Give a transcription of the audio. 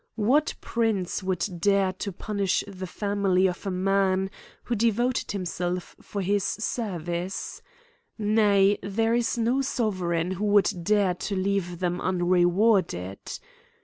What prince would dare to punish the family of a man who devoted himself for his service ?— Nay, there is no soveseign who would dare to leave them un rewarded.